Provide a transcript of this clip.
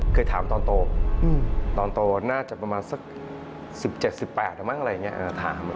เคยถามตอนโตตอนโตน่าจะประมาณสัก๑๗๑๘แล้วมั้งอะไรอย่างนี้